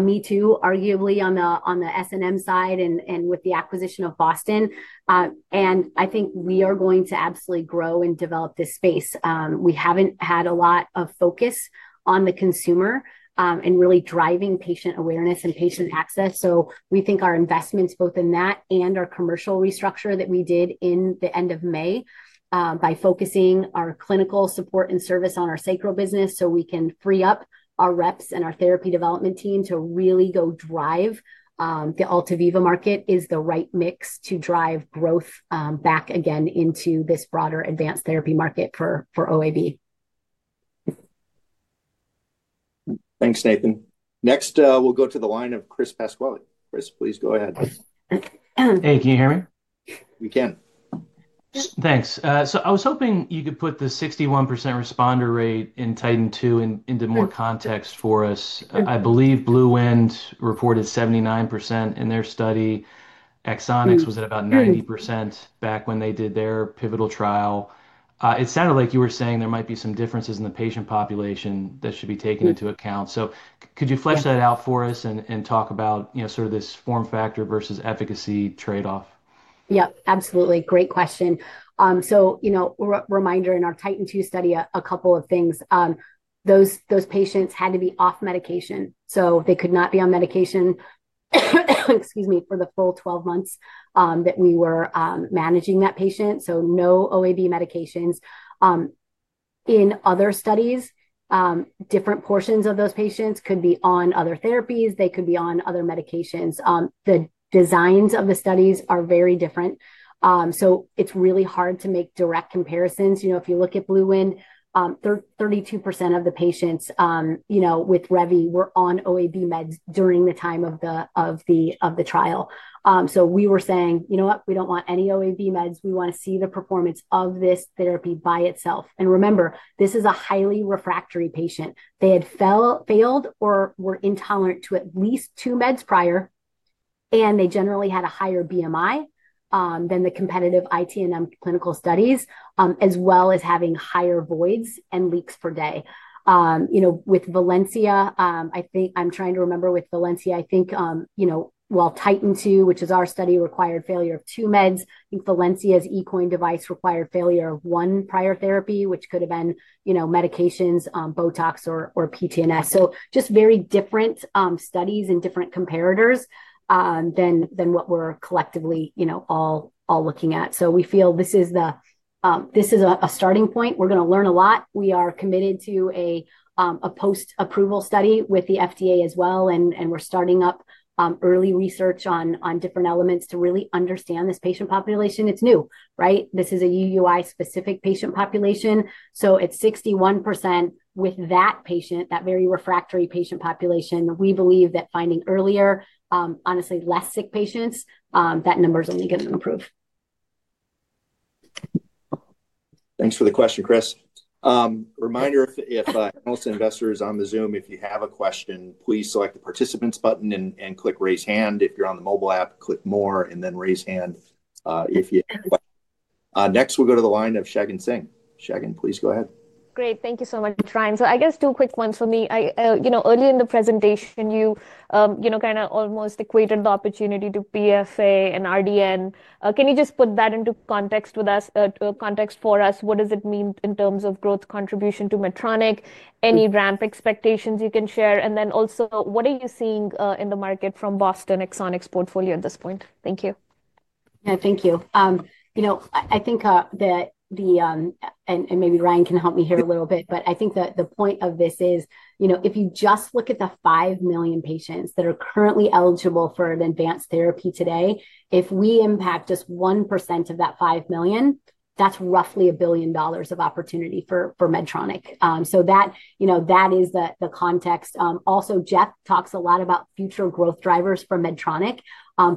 Me Too, arguably, on the SNM side and with the acquisition of Boston. I think we are going to absolutely grow and develop this space. We haven't had a lot of focus on the consumer and really driving patient awareness and patient access. We think our investments both in that and our commercial restructure that we did in the end of May by focusing our clinical support and service on our sacral business so we can free up our reps and our therapy development team to really go drive the AltaViva market is the right mix to drive growth back again into this broader advanced therapy market for OAB. Thanks, Nathan. Next, we'll go to the line of Chris Pasquale. Chris, please go ahead. Hey, can you hear me? We can. Thanks. I was hoping you could put the 61% responder rate in TITAN 2 into more context for us. I believe BlueWind Medical's reported 79% in their study. Axonics was at about 90% back when they did their pivotal trial. It sounded like you were saying there might be some differences in the patient population that should be taken into account. Could you flesh that out for us and talk about, you know, sort of this form factor versus efficacy trade-off? Absolutely. Great question. Reminder, in our TITAN 2 study, a couple of things. Those patients had to be off medication. They could not be on medication for the full 12 months that we were managing that patient. No OAB medications. In other studies, different portions of those patients could be on other therapies. They could be on other medications. The designs of the studies are very different. It is really hard to make direct comparisons. If you look at BlueWind, 32% of the patients with Revi were on OAB meds during the time of the trial. We were saying, you know what, we do not want any OAB meds. We want to see the performance of this therapy by itself. Remember, this is a highly refractory patient. They had failed or were intolerant to at least two meds prior, and they generally had a higher BMI than the competitive ITNM clinical studies, as well as having higher voids and leaks per day. With Valencia, I think, while TITAN 2, which is our study, required failure of two meds, I think Valencia's eCoin device required failure of one prior therapy, which could have been medications, Botox, or PTNS. Just very different studies and different comparators than what we are collectively all looking at. We feel this is a starting point. We are going to learn a lot. We are committed to a post-approval study with the FDA as well, and we are starting up early research on different elements to really understand this patient population. It is new, right? This is a UUI-specific patient population. At 61% with that patient, that very refractory patient population, we believe that finding earlier, honestly, less sick patients, that number is only going to improve. Thanks for the question, Chris. Reminder, if most investors on the Zoom, if you have a question, please select the participants button and click raise hand. If you're on the mobile app, click more and then raise hand if you have a question. Next, we'll go to the line of Shagun Singh. Shagun, please go ahead. Great. Thank you so much, Ryan. I guess two quick ones for me. Early in the presentation, you kind of almost equated the opportunity to PFA and RDN. Can you just put that into context for us? What does it mean in terms of growth contribution to Medtronic? Any ramp expectations you can share? Also, what are you seeing in the market from Boston Axonics portfolio at this point? Thank you. Thank you. I think that the, and maybe Ryan can help me here a little bit, but I think that the point of this is, if you just look at the 5 million patients that are currently eligible for an advanced therapy today, if we impact just 1% of that 5 million, that's roughly $1 billion of opportunity for Medtronic. That is the context. Geoff talks a lot about future growth drivers for Medtronic,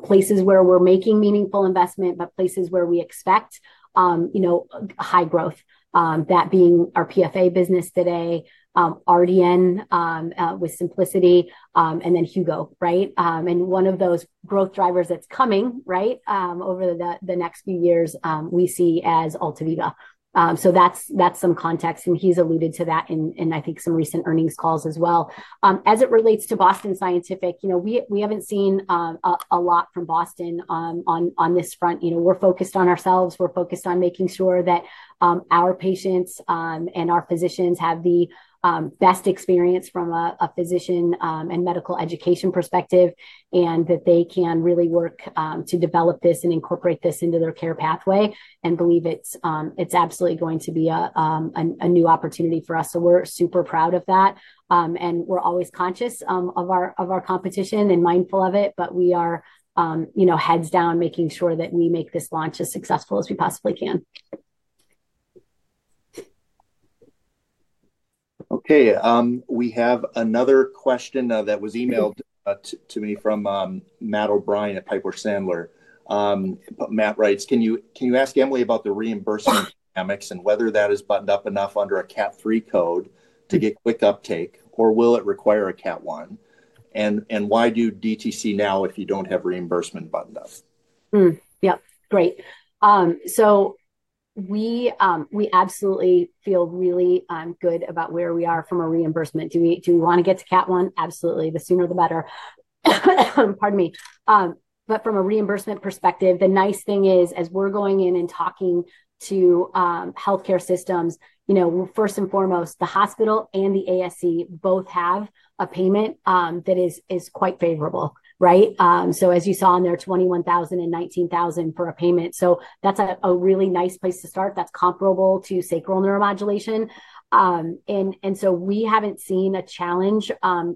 places where we're making meaningful investment, but places where we expect high growth, that being our PFA business today, RDN with Symplicity, and then Hugo, right? One of those growth drivers that's coming over the next few years, we see as AltaViva. That's some context. He's alluded to that in, I think, some recent earnings calls as well. As it relates to Boston Scientific, we haven't seen a lot from Boston on this front. We're focused on ourselves. We're focused on making sure that our patients and our physicians have the best experience from a physician and medical education perspective, and that they can really work to develop this and incorporate this into their care pathway. We believe it's absolutely going to be a new opportunity for us. We're super proud of that. We're always conscious of our competition and mindful of it. We are heads down making sure that we make this launch as successful as we possibly can. OK, we have another question that was emailed to me from Matt O'Brien at Piper Sandler. Matt writes, can you ask Emily about the reimbursement dynamics and whether that is buttoned up enough under a Category III code to get quick uptake, or will it require a Category I? Why do DTC now if you don't have reimbursement buttoned up? Yep, great. We absolutely feel really good about where we are from a reimbursement perspective. Do we want to get to Category I? Absolutely, the sooner the better. Pardon me. From a reimbursement perspective, the nice thing is, as we're going in and talking to health care systems, first and foremost, the hospital and the ASC both have a payment that is quite favorable, right? As you saw in there, $21,000 and $19,000 for a payment. That's a really nice place to start. That's comparable to sacral neuromodulation. We haven't seen a challenge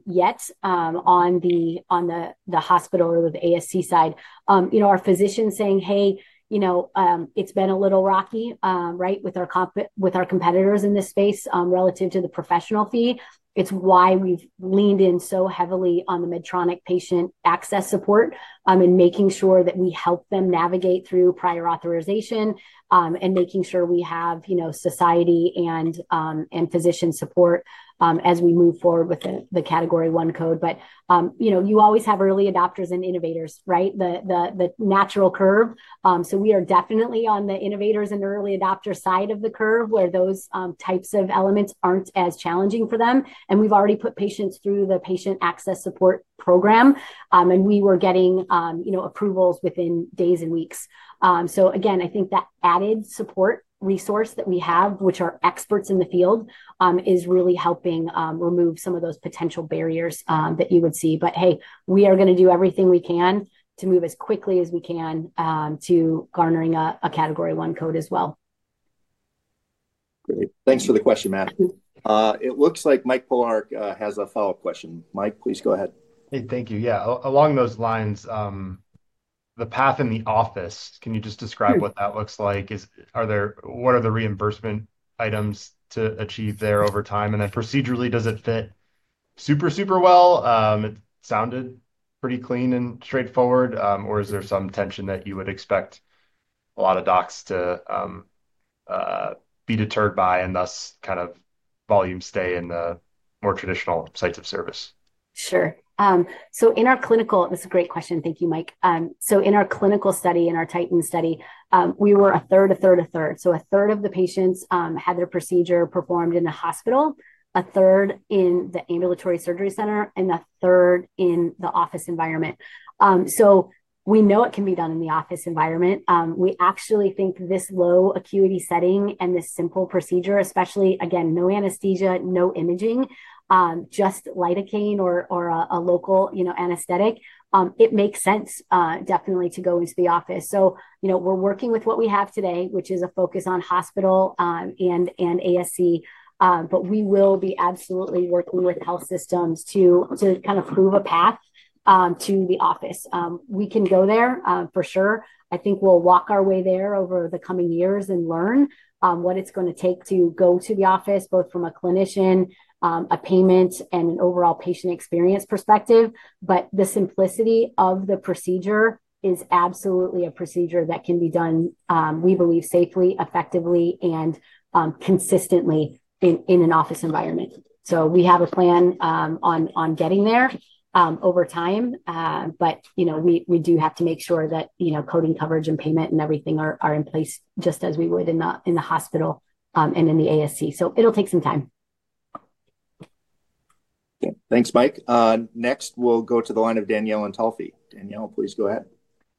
yet on the hospital or the ASC side. Our physicians are saying, hey, it's been a little rocky with our competitors in this space relative to the professional fee. It's why we've leaned in so heavily on the Medtronic Patient Access Support and making sure that we help them navigate through prior authorization and making sure we have society and physician support as we move forward with the Category I code. You always have early adopters and innovators, right? The natural curve. We are definitely on the innovators and early adopters side of the curve where those types of elements aren't as challenging for them. We've already put patients through the Patient Access Support Program, and we were getting approvals within days and weeks. I think that added support resource that we have, which are experts in the field, is really helping remove some of those potential barriers that you would see. We are going to do everything we can to move as quickly as we can to garnering a Category I code as well. Great. Thanks for the question, Matt. It looks like Mike Polark has a follow-up question. Mike, please go ahead. Hey, thank you. Yeah, along those lines, the path in the office, can you just describe what that looks like? Are there, what are the reimbursement items to achieve there over time? Then procedurally, does it fit super, super well? It sounded pretty clean and straightforward. Is there some tension that you would expect a lot of docs to be deterred by and thus kind of volume stay in the more traditional sites of service? Sure. That's a great question. Thank you, Mike. In our clinical study, in our TITAN 2 study, we were a third, a third, a third. A third of the patients had their procedure performed in the hospital, a third in the ASC, and a third in the office environment. We know it can be done in the office environment. We actually think this low acuity setting and this simple procedure, especially, again, no anesthesia, no imaging, just lidocaine or a local anesthetic, it makes sense definitely to go into the office. We're working with what we have today, which is a focus on hospital and ASC. We will be absolutely working with health systems to kind of prove a path to the office. We can go there for sure. I think we'll walk our way there over the coming years and learn what it's going to take to go to the office, both from a clinician, a payment, and an overall patient experience perspective. The simplicity of the procedure is absolutely a procedure that can be done, we believe, safely, effectively, and consistently in an office environment. We have a plan on getting there over time. We do have to make sure that coding, coverage, and payment and everything are in place, just as we would in the hospital and in the ASC. It'll take some time. Thanks, Mike. Next, we'll go to the line of Danielle in Telfi. Danielle, please go ahead.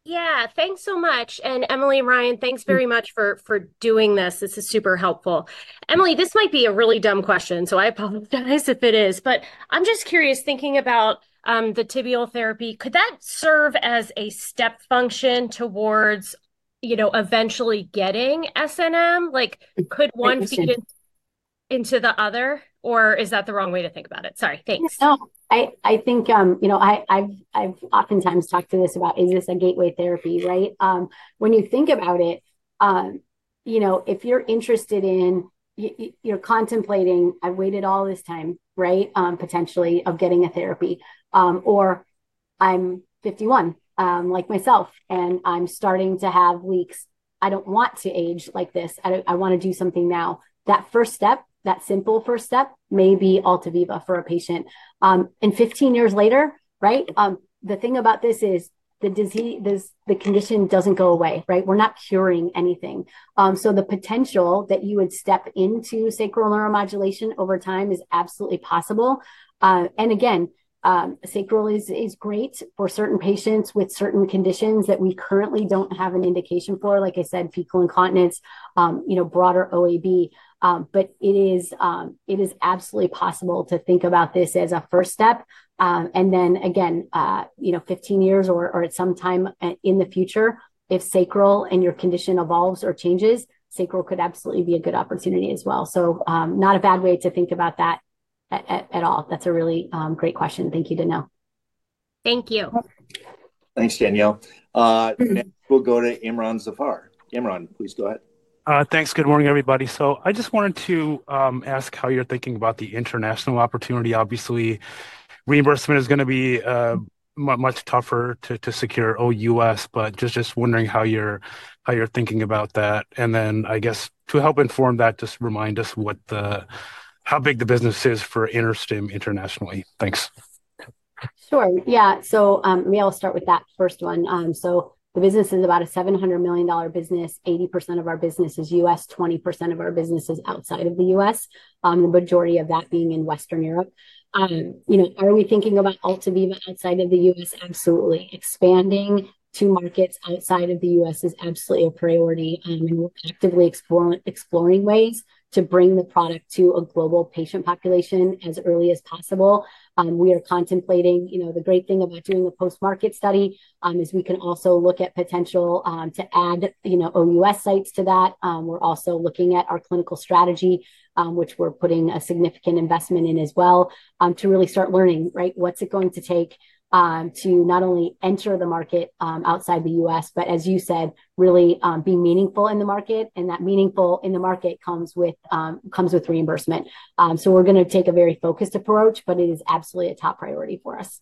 Yeah, thanks so much. Emily, Ryan, thanks very much for doing this. This is super helpful. Emily, this might be a really dumb question, so I apologize if it is. I'm just curious, thinking about the tibial therapy, could that serve as a step function towards, you know, eventually getting SNM? Could one feed into the other, or is that the wrong way to think about it? Sorry, thanks. I think, you know, I've oftentimes talked about, is this a gateway therapy, right? When you think about it, if you're interested in, you're contemplating, I've waited all this time, potentially of getting a therapy, or I'm 51, like myself, and I'm starting to have weeks. I don't want to age like this. I want to do something now. That first step, that simple first step, may be AltaViva for a patient. Fifteen years later, the thing about this is the condition doesn't go away, right? We're not curing anything. The potential that you would step into sacral neuromodulation over time is absolutely possible. Sacral is great for certain patients with certain conditions that we currently don't have an indication for, like I said, fecal incontinence, broader OAB. It is absolutely possible to think about this as a first step. Then, 15 years or at some time in the future, if sacral and your condition evolves or changes, sacral could absolutely be a good opportunity as well. Not a bad way to think about that at all. That's a really great question. Thank you, Danielle. Thank you. Thanks, Danielle. Next, we'll go to Imron Zafar. Imran, please go ahead. Thanks. Good morning, everybody. I just wanted to ask how you're thinking about the international opportunity. Obviously, reimbursement is going to be much tougher to secure OUS, but just wondering how you're thinking about that. I guess to help inform that, just remind us how big the business is for InterStim internationally. Thanks. Sure. Maybe I'll start with that first one. The business is about a $700 million business. 80% of our business is U.S., 20% of our business is outside of the U.S., the majority of that being in Western Europe. Are we thinking about AltaViva outside of the U.S.? Absolutely. Expanding to markets outside of the U.S. is absolutely a priority. We're actively exploring ways to bring the product to a global patient population as early as possible. The great thing about doing a post-market study is we can also look at the potential to add OUS sites to that. We're also looking at our clinical strategy, which we're putting a significant investment in as well, to really start learning, right? What's it going to take to not only enter the market outside the U.S., but, as you said, really be meaningful in the market. That meaningful in the market comes with reimbursement. We're going to take a very focused approach, but it is absolutely a top priority for us.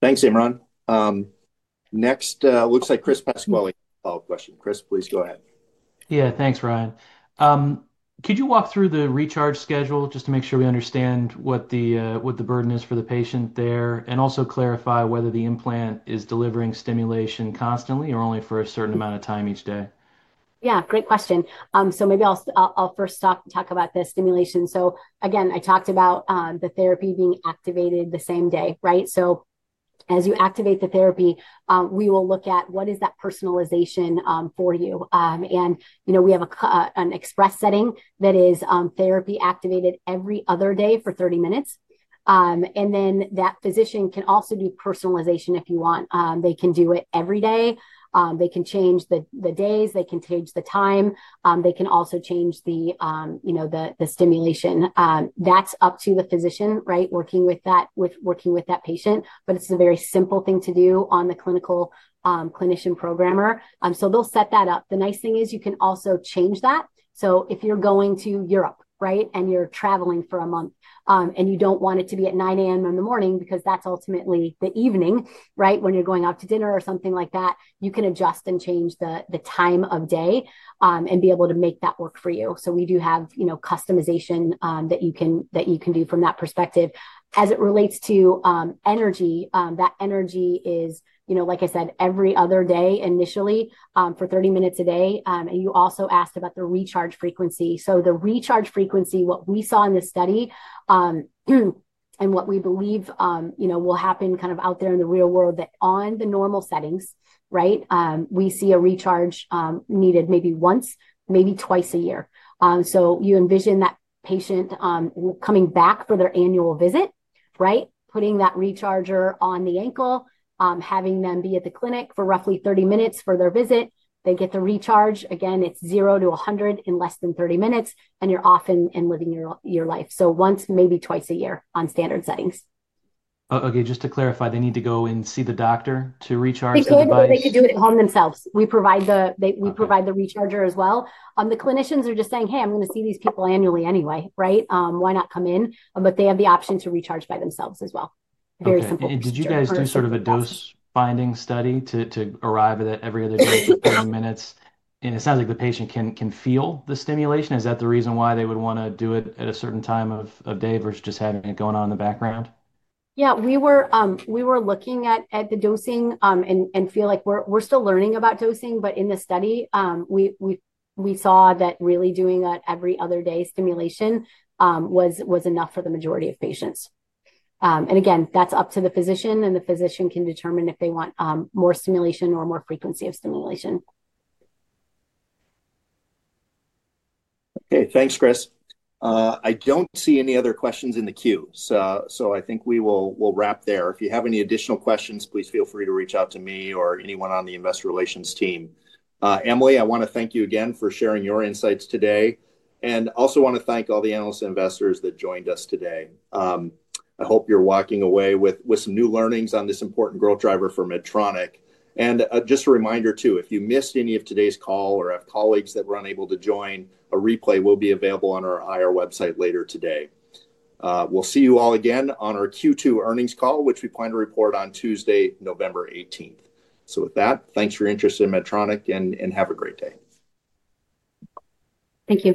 Thanks, Imron. Next, it looks like Chris Pasquale has a follow-up question. Chris, please go ahead. Yeah, thanks, Ryan. Could you walk through the recharge schedule just to make sure we understand what the burden is for the patient there, and also clarify whether the implant is delivering stimulation constantly or only for a certain amount of time each day? Yeah, great question. Maybe I'll first talk about the stimulation. Again, I talked about the therapy being activated the same day, right? As you activate the therapy, we will look at what is that personalization for you. We have an express setting that is therapy activated every other day for 30 minutes. That physician can also do personalization if you want. They can do it every day. They can change the days. They can change the time. They can also change the stimulation. That's up to the physician, right, working with that patient. It's a very simple thing to do on the clinician programmer. They'll set that up. The nice thing is you can also change that. If you're going to Europe, right, and you're traveling for a month, and you don't want it to be at 9:00 A.M. in the morning because that's ultimately the evening, right, when you're going out to dinner or something like that, you can adjust and change the time of day and be able to make that work for you. We do have customization that you can do from that perspective. As it relates to energy, that energy is, like I said, every other day initially for 30 minutes a day. You also asked about the recharge frequency. The recharge frequency, what we saw in this study and what we believe will happen out there in the real world, on the normal settings, we see a recharge needed maybe once, maybe twice a year. You envision that patient coming back for their annual visit, putting that recharger on the ankle, having them be at the clinic for roughly 30 minutes for their visit. They get the recharge. Again, it's 0 to 100 in less than 30 minutes, and you're off and living your life. Once, maybe twice a year on standard settings. OK, just to clarify, they need to go and see the doctor to recharge? They could, or they could do it at home themselves. We provide the recharger as well. The clinicians are just saying, hey, I'm going to see these people annually anyway, right? Why not come in? They have the option to recharge by themselves as well. Very simple. Did you guys do sort of a dose-binding study to arrive at that every other day for 30 minutes? It sounds like the patient can feel the stimulation. Is that the reason why they would want to do it at a certain time of day versus just having it going on in the background? Yeah, we were looking at the dosing and feel like we're still learning about dosing. In the study, we saw that really doing that every other day stimulation was enough for the majority of patients. That's up to the physician, and the physician can determine if they want more stimulation or more frequency of stimulation. OK, thanks, Chris. I don't see any other questions in the queue. I think we will wrap there. If you have any additional questions, please feel free to reach out to me or anyone on the Investor Relations team. Emily, I want to thank you again for sharing your insights today. I also want to thank all the analysts and investors that joined us today. I hope you're walking away with some new learnings on this important growth driver for Medtronic. Just a reminder too, if you missed any of today's call or have colleagues that were unable to join, a replay will be available on our IR website later today. We'll see you all again on our Q2 earnings call, which we plan to report on Tuesday, November 18th. Thanks for your interest in Medtronic and have a great day. Thank you.